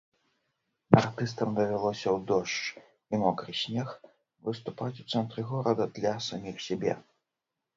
Артыстам давялося ў дождж і мокры снег выступаць у цэнтры горада для саміх сябе.